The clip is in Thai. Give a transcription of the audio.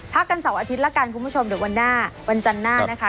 กันเสาร์อาทิตย์ละกันคุณผู้ชมเดี๋ยววันหน้าวันจันทร์หน้านะคะ